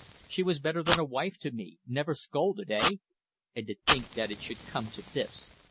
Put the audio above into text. She was better than a wife to me. Never scolded. Hey? ... And to think that it should come to this.